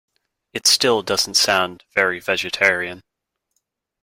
It still doesn’t sound very vegetarian.